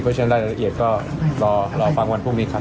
เพราะฉะนั้นรายละเอียดก็รอฟังวันพรุ่งนี้ครับ